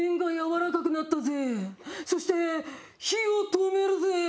そして火を止めるぜ。